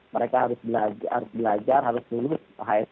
mereka harus belajar harus lulus hsk lima